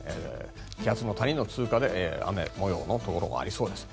気圧の谷の通過で雨模様のところありそうです。